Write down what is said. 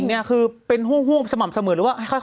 ไม่ผมก็ไปทำงานด้วยกัน